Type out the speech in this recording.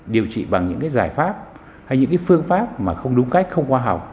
điều trị bằng những cái giải pháp hay những cái phương pháp mà không đúng cách không hoa học